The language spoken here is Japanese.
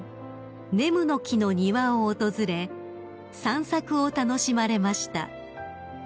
ねむの木の庭を訪れ散策を楽しまれました］